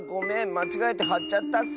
まちがえてはっちゃったッス。